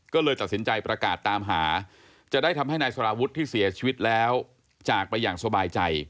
ก็เลยตัดสินใจประกาศตามหาจะได้ทำให้นายสารวุฒิที่เสียชีวิตแล้วจากไปอย่างสบายใจ